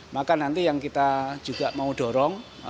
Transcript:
maka nanti yang kita juga mau dorong